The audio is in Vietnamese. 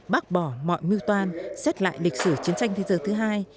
bác bỏ mọi mưu toan xét lại lịch sử chiến tranh thế giới thứ hai